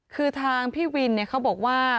คือทางพี่วินเขาบอกว่า